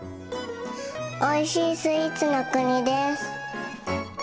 「おいしいスイーツの国」です。